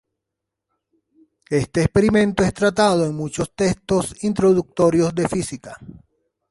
Este experimento es tratado en muchos textos introductorios de física.